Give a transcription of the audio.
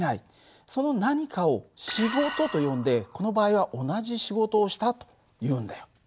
その何かを「仕事」と呼んでこの場合は「同じ仕事をした」というんだよ。